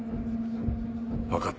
分かった。